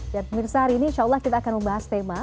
dan pemirsa hari ini insya allah kita akan membahas tema